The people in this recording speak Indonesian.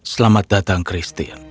selamat datang christine